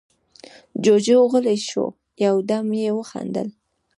جُوجُو غلی شو، يو دم يې وخندل: